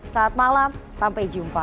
saat malam sampai jumpa